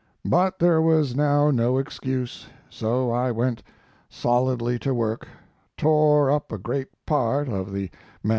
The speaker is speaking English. But there was now no excuse, so I went solidly to work, tore up a great part of the MS.